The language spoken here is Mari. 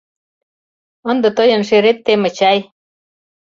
Ынде тыйын шерет теме чай?»